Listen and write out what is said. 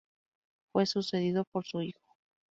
Fue sucedido por su hijo.